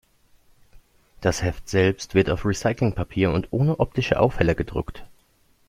Das Heft selbst wird auf Recyclingpapier und ohne optische Aufheller gedruckt.